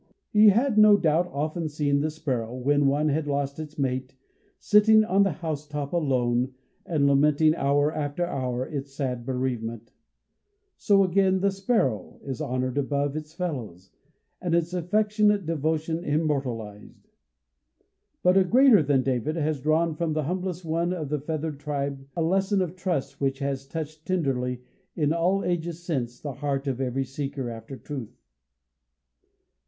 He had, no doubt, often seen the sparrow, when one had lost its mate, sitting on the housetop alone, and lamenting hour after hour its sad bereavement. So again the sparrow is honored above its fellows, and its affectionate devotion immortalized. But a "Greater than David," has drawn from this humblest one of the feathered tribe, a lesson of trust which has touched tenderly, in all ages since, the heart of every seeker after truth.